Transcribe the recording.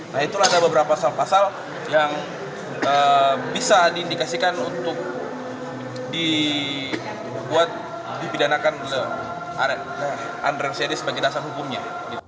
nah itulah ada beberapa pasal pasal yang bisa diindikasikan untuk dibuat dipidanakan oleh andre rosiade sebagai dasar hukumnya